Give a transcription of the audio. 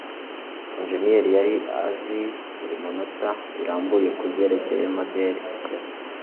injeniyeri yari azi buri munota birambuye kubyerekeye moderi nshya